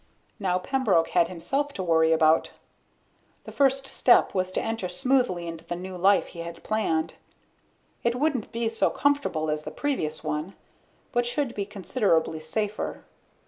Now Pembroke had himself to worry about. The first step was to enter smoothly into the new life he had planned. It wouldn't be so comfortable as the previous one, but should be considerably safer.